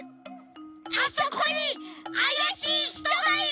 あそこにあやしいひとがいる！